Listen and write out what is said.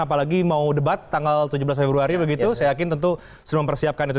apalagi mau debat tanggal tujuh belas februari begitu saya yakin tentu sudah mempersiapkan itu